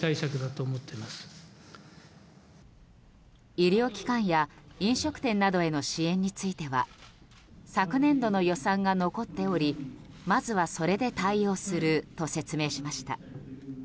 医療機関や飲食店などへの支援については昨年度の予算が残っておりまずは、それで対応すると説明しました。